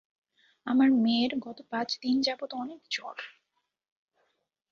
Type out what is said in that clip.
আমার মেয়ের গত পাঁচ দিন যাবৎ অনেক জ্বর।